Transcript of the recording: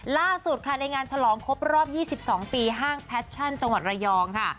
ล่าสุดค่ะในงานฉลองครบรอบ๒๒ปีห้างแพชชั่นจังหวัดระยองค่ะ